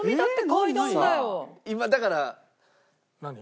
今だから。何？